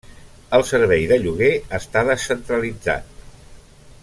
El servei de lloguer està descentralitzat.